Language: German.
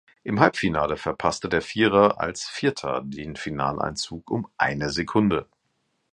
Im Halbfinale verpasste der Vierer als Vierter den Finaleinzug um eine Sekunde.